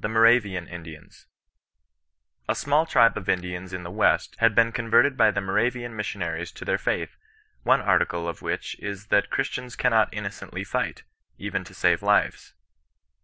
THE MORAVIAN INDIANS. A small tribe of Indians in the West had been converted by the Moravian Missionaries to their faith, one article of which is that Christians cannot innocently fight, even to save their Jives.